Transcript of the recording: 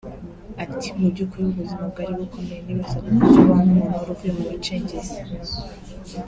Ati “Mu by’ukiri ubuzima bwari bukomeye nibaza uko nzabaho nk’umuntu waruvuye mu bacengezi